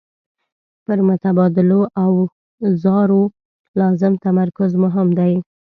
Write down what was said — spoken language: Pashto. پر متبادلو اوزارو لازم تمرکز مهم دی.